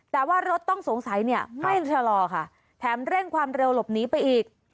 แต่ว่ารถต้องสงสัยเนี่ยไม่ชะลอค่ะแถมเร่งความเร็วหลบหนีไปอีก